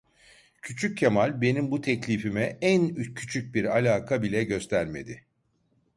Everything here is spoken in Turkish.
Küçük Kemal benim bu teklifime en küçük bir alaka bile göstermedi.